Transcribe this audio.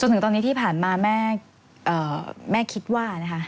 จนถึงตอนนี้ที่ผ่านมาแม่คิดว่า